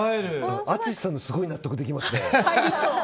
淳さんのすごい納得できますね。